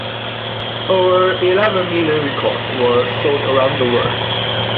Over eleven million records were sold around the world.